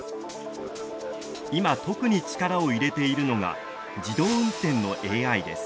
今特に力を入れているのが自動運転のＡＩです。